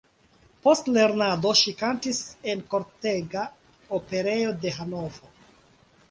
Post lernado ŝi kantis en kortega operejo de Hanovro.